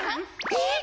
えっ？